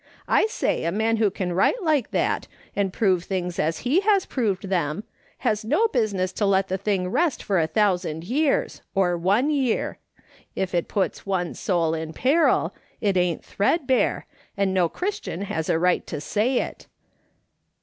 I say a man who can write like that, and prove things as he has proved them, has no business to let the thing rest for a thou sand years, or one year. If it puts one soul in peril, it ain't threadbare, and no Christian has a right to say it